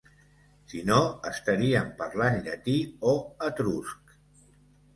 Si no, estaríem parlant llatí o etrusc.